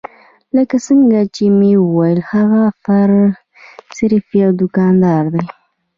لکه څنګه چې مې وويل هغه صرف يو دوکاندار دی.